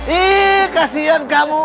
ihk kasian kamu